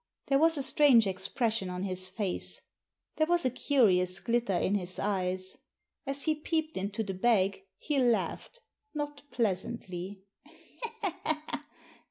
There was a strange expression on his face ; there was a curious glitter in his eyes. As he peeped into the bag he laughed, not pleasantly.